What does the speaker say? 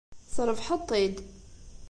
Trebḥeḍ-t-id.